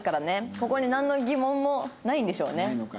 ここになんの疑問もないんでしょうね。